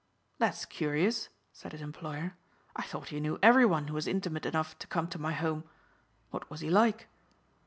"That's curious," said his employer. "I thought you knew every one who was intimate enough to come to my home. What was he like?"